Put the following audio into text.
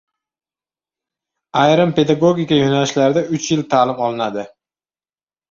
Ayrim pedagogika yo‘nalishlarida uch yil ta’lim olinadi